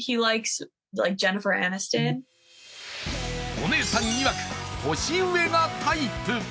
お姉さんいわく、年上がタイプ。